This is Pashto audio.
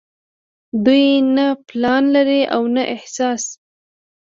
دوي نۀ پلان لري او نه احساس